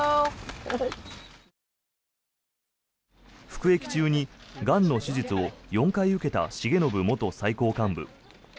服役中にがんの手術を４回受けた重信元最高幹部。